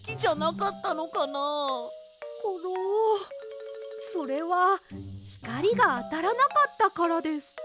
コロそれはひかりがあたらなかったからです。